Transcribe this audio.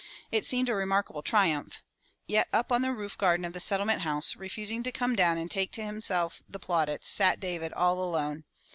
It seemed a remarkable triumph. Yet up on the roof garden of the Settlement House, refusing to come down and take to himself the plaudits, sat David all alone.